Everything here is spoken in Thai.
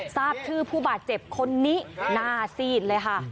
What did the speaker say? ทราบชื่อผู้บาดเจ็บคนนี้หน้าซีดเลยค่ะ